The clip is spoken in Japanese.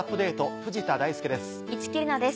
藤田大介です。